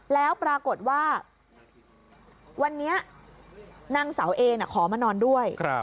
แล้วปรากฏว่าวันนี้นางสาวเอขอมานอนด้วย